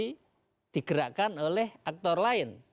dia menjadi digerakkan oleh aktor lain